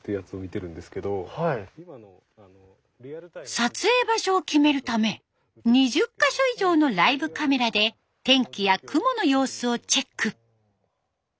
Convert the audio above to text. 撮影場所を決めるため２０か所以上のライブカメラで天気や雲の様子をチェック。